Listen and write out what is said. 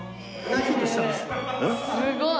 すごい！